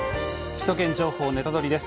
「首都圏情報ネタドリ！」です。